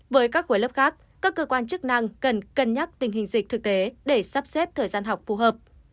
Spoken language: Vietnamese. với các khối lớp khác các cơ quan chức năng cần cân nhắc tình hình dịch thực tế để sắp xếp thời gian học phù hợp